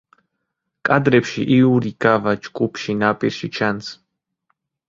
კადრებში იური გავა ჯგუფში ნაპირში ჩანს.